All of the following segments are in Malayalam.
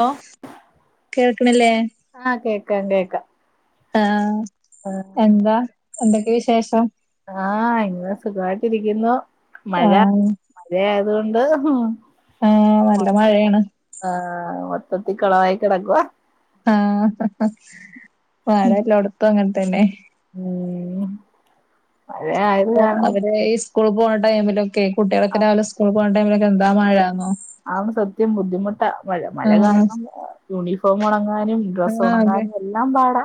ലോ കേൾക്കണില്ലേ ആഹ് കേക്കാം കേക്കാം ആഹ് എന്താ എന്തൊക്കെയാ വിശേഷം ആഹ് ഇങ്ങനെ സുഖമായിട്ടിരിക്കുന്നു മഴ ആഹ് മഴ ആയതുകൊണ്ട് ആഹ് നല്ല മഴയാണ് ആഹ് മൊത്തത്തി കൊളവായി കെടക്കുവാ ആഹ് മഴ എല്ലാടത്തും അങ്ങനെ തന്നെ ഉം മഴയായ അവര് ഈ സ്കൂൾ പോണ ടൈമിലൊക്കെയെ കുട്ടികളൊക്കെ രാവിലെ സ്കൂളിൽ പോണ ടൈമിലൊക്കെ എന്താ മഴാന്നോ ആണ് സത്യം ബുദ്ധിമുട്ടാ മഴ മഴ ആഹ് കാരണം യൂണിഫോം ഉണങ്ങാനും ഡ്രസ്സ് ആഹ് അതെ ഉണങ്ങാനും എല്ലാം പാടാ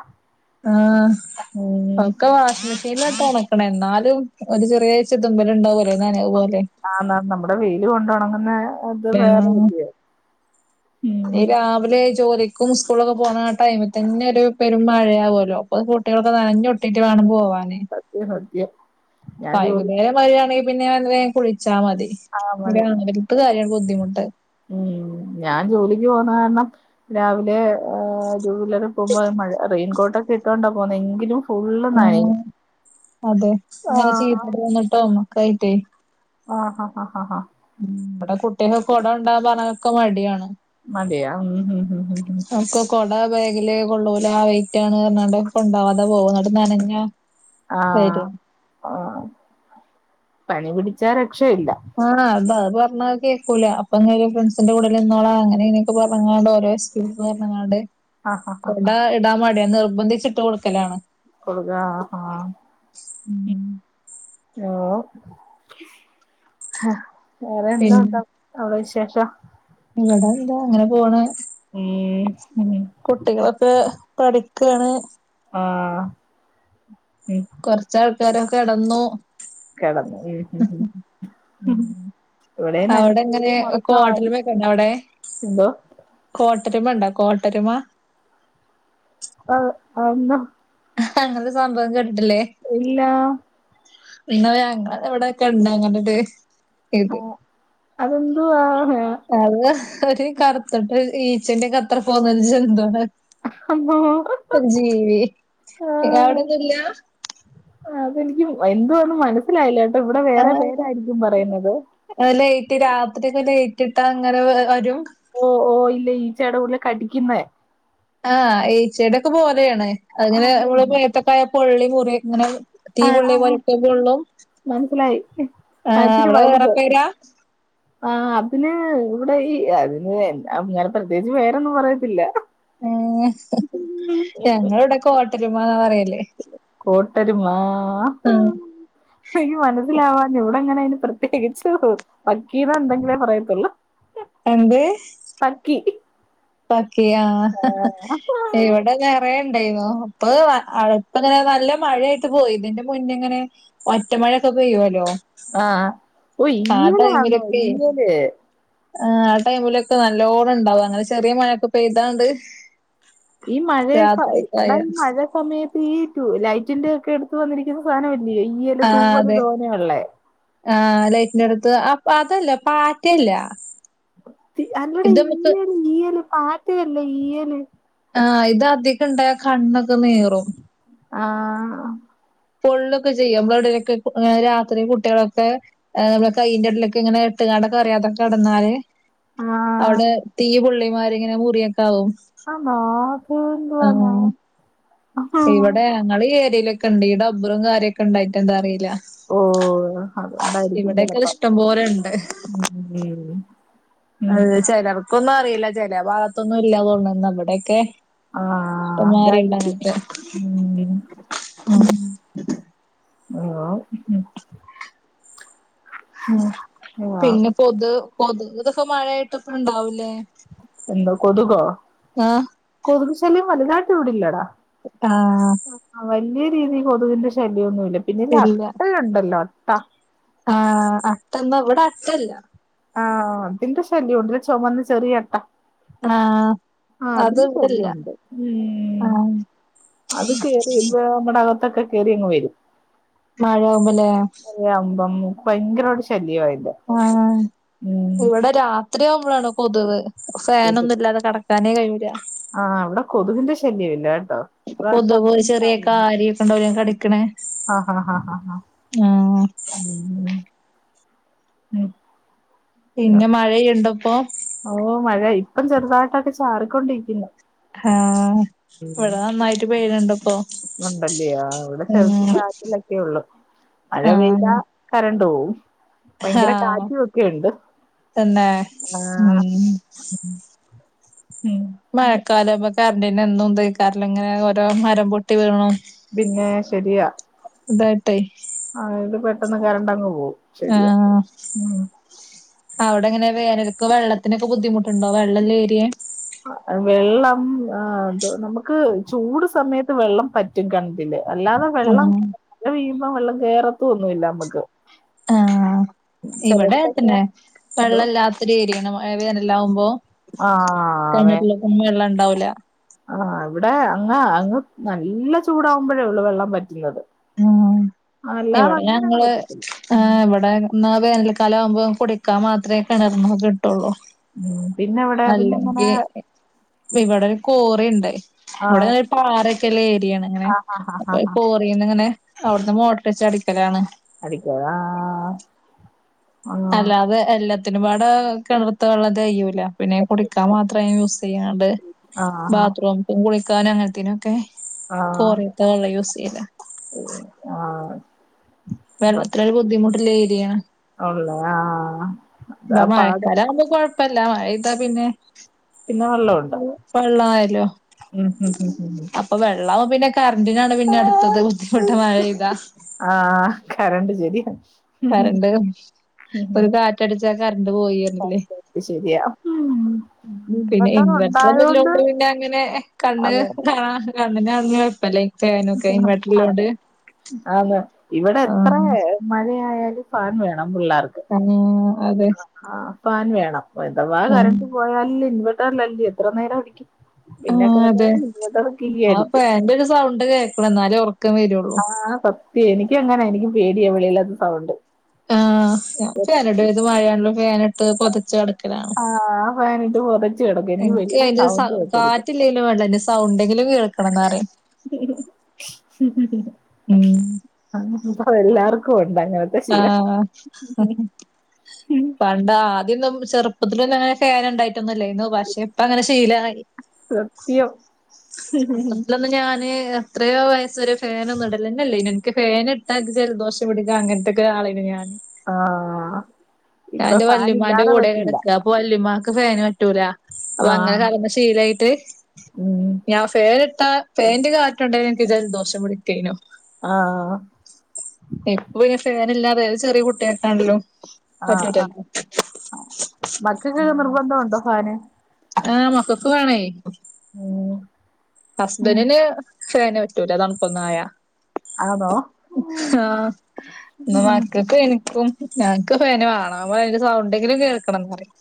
ആഹ് ഉം ഒക്കെ വാഷിംഗ് മിഷനിലിട്ടാ അലക്കണേ എന്നാലും ഒരു ചെറിയ ചിതുമ്പല് ഉണ്ടാവുമല്ലോ നനവ് പോലെ ആണ് നമ്മുടെ വെയില് കൊണ്ട് ഉണങ്ങുന്നേ ഹലോ ഉം നീ രാവിലെ ജോലിക്കും സ്കൂളിലൊക്കെ പോണ ആ ടൈമിൽ തന്നെ ഒരു പെരും മഴയാവുമല്ലോ അപ്പൊ കുട്ടികളൊക്കെ നനഞ്ഞൊ ട്ടീട്ട് വേണം പോവാനെ സത്യം സത്യം ഞാൻ ജോലി വൈകുന്നേരം മഴയാണെങ്കിൽ പിന്നെ അത് വേഗം കുളിച്ചാ മതി ആഹ് മതി രാവിലത്ത കാര്യവാണ് ബുദ്ധിമുട്ട് ഉം ഞാൻ ജോലിക്ക് പോന്ന കാരണം രാവിലെ ആഹ് ജൂവലറിയിൽ പോകുമ്പോ മഴ റെയിൻകോട്ടൊക്കെ ഇട്ടൊണ്ടാ പോന്നെ എങ്കിലും ഫുള്ള് ഉം നനയും അതെ ഇങ്ങനെ [unintelligible] ഒക്കെ ആയിട്ടേ ആഹ് ഹ ഹ ഹ ഹ ഉം ഇവിടെ കുട്ടികൾക്ക് കൊട കൊണ്ടുപോവാൻ പറഞ്ഞാലൊക്കെ മടിയാണ് മിടിയാ ഉം ഉം ഉം ഉം ഉം ഞങ്ങക്ക് കൊട ബാഗില് കൊള്ളൂല വെയിറ്റാണ് പറഞ്ഞാണ്ട് കൊണ്ടാവാതെ പോവും എന്നിട്ട് നനഞ്ഞ് ആഹ് ആഹ് പനി പിടിച്ചാ രക്ഷയില്ല ആണ് അത അത് പറഞ്ഞാ കേക്കൂല അപ്പ അങ്ങനെ ഒരു ഫ്രണ്ട്സിന്റെ കൂടെല്ലാം നിന്നോളാം അങ്ങനെ ഇങ്ങനൊക്കെ പറഞ്ഞങ്ങാണ്ട് ഓരോ പറഞ്ഞങ്ങാണ്ട് ആഹ് ഹ ഹ കൊട ഇടാൻ മടിയാ നിർബന്ധിച്ച് ഇട്ട് കൊടുക്കലാണ് കൊടുക്കാൻ ആഹ് ഉം ആഹ് ഓ വേറെ എന്താ പിന്നെ ഉണ്ടോ അവിടെ വിശേഷം ഇവിടെ എന്താ അങ്ങനെ പോണ് ഉം ഉം കുട്ടികളൊക്കെ പഠിക്കാണ്. ആഹ് ഉം കൊറച്ച് ആൾക്കാരൊക്കെ കിടന്നു. കിടന്നു ഉം ഉം ഉം. ഉം അവിടെ എങ്ങനെ ഒറക്കവായി കോട്ടരുമ ഉണ്ടോ അവിടെ? എന്തോ കോട്ടരുമ ഉണ്ടോ കോട്ടരുമ. ആഹ് അന്നാ അങ്ങനൊരു സംഭവം കേട്ടിട്ടില്ലേ? ഇല്ലാ പിന്നെ ഞങ്ങളുടെ എവിടെ ഒക്കെയുണ്ട് അങ്ങനൊരു രീതി. ഓഹ് അത് എന്തുവാ ആഹ്. അത് ഒരു കറുത്തിട്ട് ഈച്ചന്റെ അത്ര അത്ര പോലൊരു ജന്തു ആണ്. അമ്മോ ഒരു ജീവി അവിടൊന്നുല്ല. അതെ എനിക്ക് എന്തോ ഒന്ന് മനസ്സിലായില്ല കേട്ടോ ഇവിടെ വേറെ ആഹ് പേരായിരിക്കും പറയുന്നത്. ലൈറ്റ് രാത്രിയൊക്കെ ലൈറ്റ് ഇട്ടാൽ അങ്ങനെ വരും. ഓഹ് ഓഹ് ഇല്ല ഈച്ചടെ കൂട്ടില് കടിക്കുന്ന. ആഹ് ഈച്ചടെ ഒക്കെ പോലെയാണ്, അത് ഇങ്ങനെ ആ നമ്മള് ദേഹത്തോക്ക് ആയാൽ പൊള്ളി മുറി ഇങ്ങനെ. തീ പെള്ളിയെ പോലെ ഇപ്പം പൊള്ളും, മനസ്സിലായി ആഹ് അവിടെ വേറെ പേരാ. ആഹ് അതിന് ഇവിടെ ഈ അതിന് എല്ലാം പ്രത്യേകിച്ച് പേരൊന്നും പറയത്തില്ല. ഉം ഞങ്ങള് ഇവിടെ കോട്ടരുമ എന്നാ പറയല്. കോട്ടരുമാ. ഉം അയ്യോ മനസിലാവാഞ്ഞത് ഇവിടെ അങ്ങനെ അയിന് പ്രത്യേകിച്ചു. വക്കീൽ ഉണ്ടെങ്കിലേ പറയത്തുള്ളൂ. എന്ത്? പക്കി പക്കിയോ, ഇവിടെ. മഴ ഉണ്ടായിരുന്നോ, ഇപ്പൊ ആഹ് അവിടുത്ത് അങ്ങനെ നല്ല മഴത്തെ പോയി ഇതിന്റെ മുന്നേ എങ്ങനെ. ഒറ്റമഴയൊക്കെ പെയ്യുവല്ലോ? ആഹ് ഓഹ് ആ ഇങ്ങനെ വന്നോ ടൈമിലൊക്കെ ഇന്നലെ. ആഹ് ടൈമിലൊക്കെ നല്ലോണ്ണം ഇണ്ടാവും അങ്ങനെ ചെറിയ മഴയൊക്കെ പെയ്ത്തോണ്ട്. ഈ മഴയിപ്പോ എടാ ആയാ ഈ മഴ. സമയത്ത് ഈ ടു ലൈറ്റിന്റെ ഒക്കെ എടുത്ത് വന്നിരിക്കുന്ന സാധനം അല്ലയോ ഈയല് തൂവല് അതെ തോനയുള്ളേ. ആഹ് ലൈറ്റിന്റെ അടുത്ത് ആഹ് അതല്ല പാറ്റല്ല. അല്ലടെ ഈയല് ഈയല് പാറ്റയല്ലേ ഈയല്. ആഹ് ഇത് അധികം ഇണ്ടാൽ കണ്ണയൊക്കെ നീറും. ആഹ് പൊള്ളൊക്കെ ചെയ്യും, നമ്മടിലൊക്കെ അങ്ങനെ രാത്രി കുട്ടികളൊക്കെ. ഏഹ് നമ്മള് കയ്യിന്റെ ഇടയിലൊക്കെ ഇങ്ങനെ ഇട്ട് നടക്കാൻ അറിയാതെ കിടന്നാല്. ആഹ് അവിടെ തീ പൊള്ളിമാരി ഇങ്ങനെ മുറിയൊക്കെ ആവും. ആണോ സിംഗിൾ ആ, ആണോ ആഹ്? ഇവിടെ ഞങ്ങള് ഏരിയായിലൊക്ക ഉണ്ട് ഈ ഡബറും കാര്യങ്ങളൊക്കെ ഉണ്ടായിട്ട് എന്താ അറിയില്ല. ഓ ഇവിടെ ഒക്കെ അത് ഇഷ്ടം പോലെ ഉണ്ട്. ഉം ഉം ഉം അതെ ചിലർക്കൊന്നും അറിയില്ല ചില ഭാഗത്തൊന്നും ഇല്ല തോന്നണ് ഇവിടെക്കെ ആ ഇപ്പൊ മാറിയിണ്ടാന്ന് അതായിരിക്കും നോക്കിയെ ഉം ഹലോ [unintelligible] ആ പിന്നെ കൊതു കൊതുകു ഇതൊക്കെ മഴ ആയിട്ടിപ്പ ഇണ്ടാവൂലേ എന്തോ കൊതുകോ ആഹ് കൊതുകു ശല്യം വലുതായിട്ട് ഇവിടില്ലടാ ആഹ് ആ വലിയ രീതി കൊതുകിന്റെ ശല്യ ഒന്നും ഇല്ല പിന്നെല്ല ഇല്ല അട്ട ഉണ്ടല്ലോ അട്ട ആഹ് അട്ടന്താ ഇവിടെ അട്ടല്ല ആഹ് അതിന്റെ ശല്യം ഉണ്ട് ചുമന്ന് ചെറിയട്ട ആഹ് ആഹ് അത് അതിന് ഇവിടില്ല ശല്യണ്ട് ഉ ആഹ് അത് കേയറി ഇപ്പ നന്മടെ അകത്തൊക്കെ കേയറി അങ്ങ് വരും മഴ ആവുമ്പ അല്ലേ അതെ മഴയാമ്പും ഭയങ്കരമായിട്ട് ശല്യമായില്ല ആഹ് ഇവിടെ രാത്രി ആവുമ്പോഴാണ് കൊതുക് ഫാനൊന്നും കൊതുക് ഇല്ലാതെ കിടക്ക തന്നെ കഴിയുല്ല ആഹ് ഇവിടെ കൊതുകിന്റെ ശല്യം ഇല്ല കേട്ടോ ഇപ്പ ഇപ്രാവശ്യം കൊതുകു ചെറിയ കാര്യയൊക്കെണ്ടാലും കടിക്കണേ ആഹ് ഹാ ഹാ ഹാ ഹ ആഹ് ഉ ഉ ഉം പിന്നെ മഴയുണ്ട ഇപ്പൊ ഓ മഴ ഇപ്പം ചെറുതായിട്ടൊക്കെ ചാറിക്കൊണ്ടിരിക്കുന്നു ആഹ് ഇവിടെ നന്നായിട്ട് പെയ്യണണ്ടിപ്പോ ഉണ്ടല്ലെയോ ഇവിടെ ചെറിയ ചാറ്റിലൊക്കെ ഉള്ളു മഴ പെയ്ത ആഹ് കരണ്ട് പോകവും ഭയങ്കര ആഹ് കാറ്റും ഒക്കെുണ്ട് തന്നെ ഉം ഉം മഴക്കാലം അപ്പൊ കറന്റിന് എന്തും തിക്കാറല്ലോ ഇങ്ങനെ ഓരോ മരം പൊട്ടി വീണോ പിന്നെ ശരിയാ ഇതായിട്ടെ ആഹ് ഇത് പെട്ടെന്ന് കരണ്ടങ്ങ് പോകവും ആഹ് അവിടെങ്ങനെ വേനൊക്ക വെള്ളത്തിനൊക്കെ ബുദ്ധിമുട്ടുണ്ടോ വെള്ളല്ലേരിയേ വെള്ളം ആ നമുക്ക് ചൂട് സമയത്ത് വെള്ളം പറ്റും കിണറ്റില് അല്ലാതെ വെള്ളം ആഹ് വീ്പം വെള്ളം കയറത്ത ഒന്നുമല്ല നമ്മക്ക് ആഹ് ഇവിടെ തന്നെ വെള്ളല്ലാത്ത ഒത്തിരികരിക്കണം വേനൽ ആകുമ്പോ ആ കെണറ്റിലക്കും വെള്ളം ഉണ്ടാവൂല ആഹ് ഇവിടെ അങ്ങ് അങ്ങ് നല്ല ചൂടാവുമ്പോഴേ ഉള്ളു വെള്ളൻ പറ്റുന്നത് ആഹ് അല്ലാതെ ഇവിടെ അങ്ങനെ അങ്ങ് ഞങ്ങള് പറ്റത്തില്ല ആ ഉം ഇവിടെ എന്നാ വേനൽക്കാലം ആവുമ്പോം കുടിക്കാൻ മാത്രമേ കിണർന്ന കിട്ടുള്ളൂ ഉം പിന്നെ ഇവിടെ പിന്നെ എങ്ങനെ അല്ലെങ്കിൽ ഇവിടെ ഒരു കോറുണ്ട് ആ ഇവിടെ ഒരു പാറൊക്കെല്ല ഏരിയാണ് അങ്ങനെ ആ ആ ആ അപ്പൊ ആ ഈ പോറന്ന്ങ്ങനെ അവിടുന്ന് മോട്ടർ വച്ച് അടിക്കലാണ് അദിക്കോവാ അല്ല അത് എല്ലാത്തിനുംപാട് കിണർത്ത ഉള്ളത് കയ്യൂല പിന്നെ കുടിക്കാൻ മാത്രമേ യൂസ് ചെയ്യാണ്ട് ആ ആ ആ ബാത്റൂമും കുളിക്കാനും അങ്ങനത്തിനൊക്കെ ആഹ് കോറട്ടന്നുള്ള യൂസ് ചെയ്ത ആഹ് വെള്ളത്രെ ബുദ്ധിമുട്ട്ള്ള ഏര്യാണ് ഉള്ളൊ ആഹ് ഇപ അതാ പാട് മഴക്കാലാവുമ്പൊ കൊഴപ്പല്ല മഴയ്ത പിന്നെ പിന്നെ വെള്ളമുണ്ടോ വള്ളായലൊ ഉം ഉം ഉം ഉം ഉം ഇപൊ വെള്ളാവു പിന്നെ കറന്റിനാണ് പിന്നെ അട്ത്തത് ബുദ്ധിമുട്ട് മഴെയ്താ ആഹ് കറണ്ട് ശരി കറണ്ട് ഒരു കാറ്റടിച്ച കറണ്ട് പോയി അർഞിലെ ത് ശരിയ പിന്നെ ഇൻവെർട്ടർ ഒന്നുല്ലോണ്ട് പിന്നെ അങ്ങനെ കണ്ണ് അതെ കാണാ കണ്ണിന് [unintelligible] പ്പല്ലെ അതെ ആഹ് ന്ന് ഇവടെ എത്രേ ആഹ് മഴയായാലു ഫാൻ വേണം പിള്ളാർക്ക് ആഹ് അതെ ആഹ് ഫാൻ വേണം അതവാ ആഹ് കറണ്ട് പോയാല് ഇൻവെർട്ടർറല്ലെ എത്ര നേര അടിക്കും ആഹ് പിന്ന അതെ ക്കടന്ന ഇൻവെർട്ടർ കീ ആ അടിക്കും ഫാനിന്റെ ഒരു സൗണ്ട് കേക്കണം ഇന്നാലെ ഒറക്കം വരൊ ആഹ് സത്യം എനിക്ക അങ്ങനെ എനിക്ക് പേട്യ എവിടേലത്ത സൗണ്ട് ആഹ് ഞാ ചരടേത് മഴയാണേലും ഫാന്ട്ട് പൊതച്ചു കടക്കലാണ് ആഹ് ആ ഫാനിട്ട് പൊതച്ചു കെടക്കും എനിക്ക് വലിയ സൗണ്ട് കേക്കരുത് ഇല്ലേലും വേണ്ട്ല സൗണ്ടെങ്കിലും കേൾക്കണംന്ന പറ [inaudible] ഉം അഹ് ഇപ്പത് എല്ലാർക്കു ഉണ്ട് അങ്ങന ആഹ് പണ്ട് ആദ്യൊന്നും ചെർപ്പത്തിലൊന്നും അങ്ങനെ ഫാൻ ഇണ്ടായിട്ടൊന്നുല്ലായ്ന്നു പക്ഷെ ഇപ്പ അങ്ങനെ ശീലായി സത്യം ചെറുപ്പത്തിലൊന്നും ഞാന് എത്രേ വയസ്സ് വരെ ഫാനൊന്നു ഇടല്ലെന്നെ ഇല്ലേനു ഇൻക് ഫാന് ഇട്ടാ ജലദോഷ പിടിക്കു അങ്ങൻത്തൊക്കെ ആളെയ്നു ഞാന് ആഹ് ഞാന്റെ വല്യുമാന്റെ കൂടെ കെടക്ക അപ്പൊ വല്യമാക്ക് ഫാന് പറ്റൂല അപ്പൊ ആ അങ്ങനെ കടന്ന് ശീലായ്ട്ട് ഉം. ഞാ ഫാന്ട്ടാ ഫേന്റെ കാറ്റൊണ്ട എൻക്ക് ജല ദോഷം പിടിക്കേനു ആഹ് ഇപ്പ പിനെ ഫാനില്ലാതെ ഏത് ചെറീ കുട്ടീട്ടാണ്ലും ആഹ് ആഹ് മകക്ക് നിർബന്ധണ്ടൊ ഫാന് ആഹ് മകക്ക് വേണെ ഉം ഉം. ഹസ്ബൻടിന് ഫാന് പറ്റൂല തണുപ്പൊന്നും ആയ ആണോ? ഉം. ആഹ് ഇന്ന് മക്ക ഇപ്പ ഇൻക്കും ഞങ്ങക്ക് ഫാന് വാണം അപ്പൊ അയിന്റ സൗണ്ടെങ്കിലും കേൾക്കണംന്ന് പറിം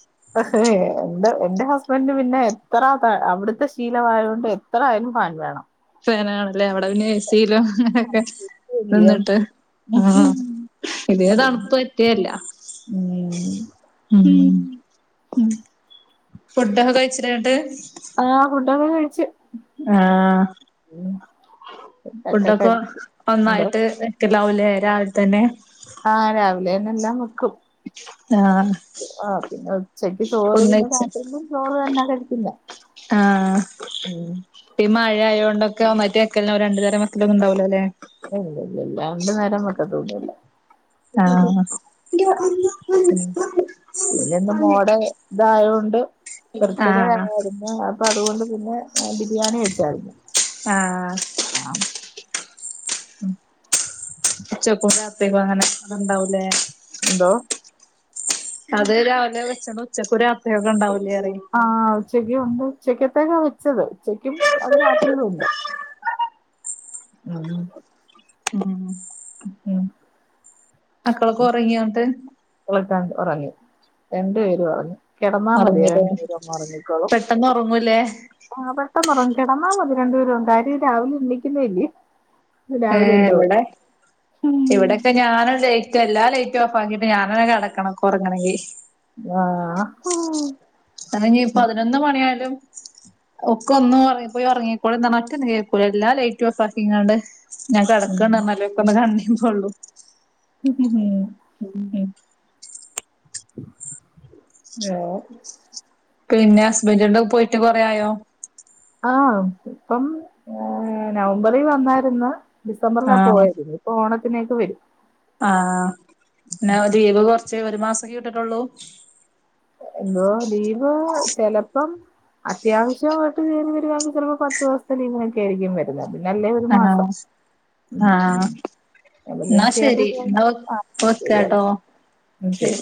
എന്റ എന്റ ഹസ്ബന്റ്ന് പിന്ന എത്ര അവിട്ത്ത ശീലവായോണ്ട് എത്ര ആയാലും ഫാൻ വേണം ഫാന് വേണല്ലെ അവടെ പിന്നെ ഏസീലൊ അങ്ങനെ ഒക്കെ ഇല്ലിയോ? നിന്ന്ട്ട് ആഹ് ഇതിന് അത് തന്നെ. തണ്പ്പ്റ്റേതല്ല ഉം ഫുഡൊക്കെ കഴിച്ചില്ലേന്നിട്ട് ആഹ് ഫുഡൊക്കേ കഴിച്ച് ആഹ് ഉം. ഫുഡൊക്കെ കഴിച്ചു എന്തോ ഒന്നായിട്ട് വെക്കാലാവുംലെ രാവിലെതന്നെ ആഹ് രാവിലെന്നെല്ലാം വെക്കും ആഹ് ആ പിന്നെ ഉച്ചക്ക് ചോറ് പിന്നെ ഒന്നിച്ച് രാത്രിക്കും ചോറ് തന്നാ കഴിക്കുന്നെ ആഹ് ഉം ഇപ്പൊ ഈ മഴയാതൊണ്ടൊക്കെ ഒന്നായിട്ടു വെക്കലാവും ല്ലേ രണ്ട നേരംവെക്കലൊന്നും ഉണ്ടാവില്ല അല്ലേ ഇല്ല ഇല്ല ഇല്ല രണ്ട് നേരം വെക്കത്തൊന്നൂല്ല ഉം ആഹ് ഉം പിന്നെന്ന് മോൾ ടെ ഇതായോണ്ട്- ആഹ് ബർത്തിടെയായിരുന്നു അപ്പൊ അതുകൊണ്ട് പിന്നെ ബിരിയാണി വെച്ചായിരുന്നു ആഹ് ആഹ് ഉം ഉച്ചക്കും രാത്രിക്കും അങ്ങനെ അത്ണ്ടാവൂലേ എന്തോ അത് രാവിലെ വെച്ചപ്പോ ഉച്ചക്ക് രാത്രിത്ത്യക്കെ ഉണ്ടാവൂലേ അറിയി ആഹ് ഉച്ചക്ക് മുമ്പും ഉച്ചക്കത്തേക്കാ വെച്ചത് ഉച്ചെക്കും അത് രാത്രിലും ഉണ്ട് [unintelligible] ഉം ഉം മക്കളൊക്കെ ഒറങ്ങിയൊ എന്നിട്ട് മക്കളൊക്കെ ഒറങ്ങി രണ്ടു പേരും ഒറങ്ങി കെടന്നാ മതി ഉറങ്ങില്ലേ രണ്ടു പേരും അങ്ങ് ഒറങ്ങിക്കോളും പെട്ടെന്ന് ഉറങ്ങൂലേ ആഹ് പെട്ടെന്നൊറങ്ങും കെടന്നാ മതി രണ്ടപേരും കാര്യം രാവിലെ എണ്ണിക്കുന്നല്ലി- ഏഹ് ഇവിടെ ഇവിടെ- ഇപ്പ ഞാനും ലേറ്റ് എല്ലാ ലേറ്റ് ഓഫ് ആക്കിയിട്ട് ഞാനനെ കിടക്കണം ഉറങ്ങണെങ്കിൽ ആഹ് അതിനി പതിനൊന്ന് മണിയായാലും ഒക്കെ ഒന്നും ഒറ പോയി ഒറങ്ങിക്കോളി ന്ന് പറഞ്ഞാ ഒറ്റൊന്നും കേക്കൂല എല്ലാ ലൈറ്റും ഓഫാക്കിങ്ങാണ്ട് ഞാൻ കെടക്കാന്ന് പറഞാലേ പ്പം ഒന്ന് കണീ പോള്ളൂ [inaudible] ഉം [inaudible] പിന്നെ ഹസ്ബന്റാടെ പോയിട്ട് കൊറേ ആയോ ആഹ് ഇപ്പം നവംബറിൽ വന്നായിരുന്ന് ഡിസംബറിലാ ആഹ് പോയത് ഇപ്പം ഓണത്തിനേക്ക് വരും ആഹ് പിന്നെ ലീവ് കൊറച്ച് ഒരു മാസക്കെ ഇട്ടിട്ടുള്ളൂ എന്തോ ലീവോ ചെലപ്പം അത്യാവശ്യമായിട്ട് കേറി വരികയാണെ ചിലപ്പോ പത്ത് ദിവസത്തെ ലീവായി ഒക്കെ ആയിരിക്കും വര്ക പിന്നെ അല്ലേ ഒരു മാസം ആഹ് ആഹ് എന്നാ എമർജൻസി ആയിട്ട് ശരി എന്നാ വരികയാണെങ്കി ആഹ് ശരിയട- വെക്കാട്ടോ മ് ശരി-